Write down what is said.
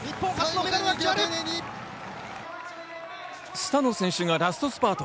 スタノ選手がラストスパート。